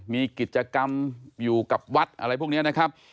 มีกิจกรรมอยู่กับวัดอะไรพวกนี้นะครับ